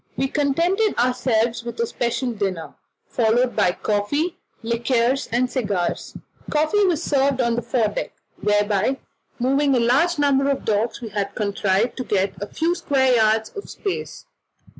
We contented ourselves with a special dinner, followed by coffee, liqueurs, and cigars. Coffee was served on the fore deck, where by moving a number of the dogs we had contrived to get a few square yards of space.